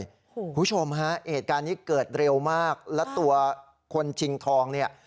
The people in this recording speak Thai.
คุณผู้ชมฮะเหตุการณ์นี้เกิดเร็วมากและตัวคนชิงทองเนี่ย